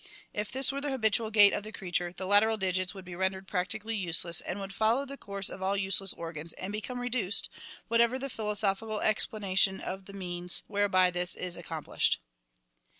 If this were the habitual gait of the creature, the lateral digits would be rendered practically useless and would follow the course of all useless organs and become reduced, whatever the philosophical explanation of the means whereby this is accomplished.